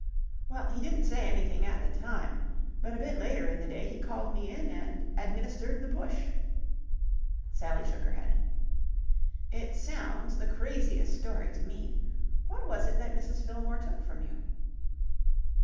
"Well, he didn't say anything at the time, but a bit later in the day he called me in and administered the push." Sally shook her head. "It sounds the craziest story to me. What was it that Mrs. Fillmore took from you?"